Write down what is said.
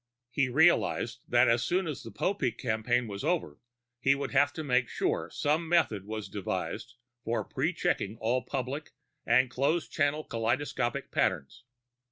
He realized that as soon as the Popeek campaign was over, he would have to make sure some method was devised for pre checking all public and closed channel kaleidoscopic patterns.